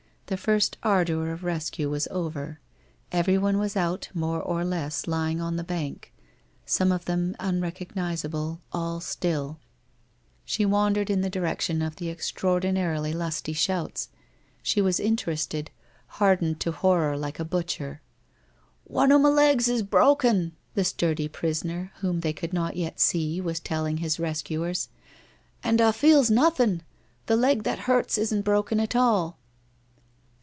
The first ardour of rescue was over. Everyone was out, more or less, lying on tin bank. Some of them unrecognizable, all still. She Hi 242 WHITE HOSE OF WEARY LEAP wandered in the direction of the extraordinarily lusty shouts. She was interested, hardened to horror like a butcher. ...* One o' ma legs is brokken,' the sturdy prisoner, whom they could not yet see, was telling his rescuers. ' And A* feels naw thing. The leg that hurts isn't broken at all